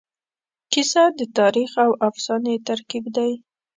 کیسه د تاریخ او افسانې ترکیب دی.